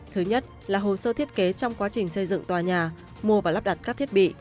thứ nhất là hồ sơ thiết kế trong quá trình xây dựng tòa nhà mua và lắp đặt các thiết bị